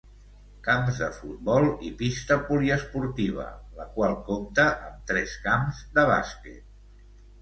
Camps de futbol i pista poliesportiva, la qual compta amb tres camps de bàsquet.